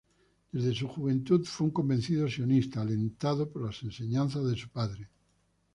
Desde su juventud fue un convencido sionista alentado por las enseñanzas de su padre.